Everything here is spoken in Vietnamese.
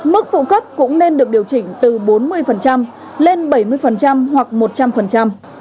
mức phụ cấp cũng nên được điều chỉnh từ bốn mươi lên bảy mươi hoặc một trăm linh